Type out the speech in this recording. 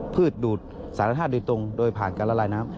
ดูดสารธาตุโดยตรงโดยผ่านการละลายน้ำ